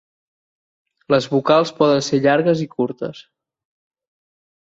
Les vocals poden ser llargues i curtes.